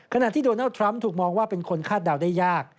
ขณะที่โดนัลดทรัมป์ถูกมองว่าเป็นคนคาดเดาได้ยาก